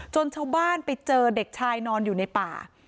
ชาวบ้านไปเจอเด็กชายนอนอยู่ในป่า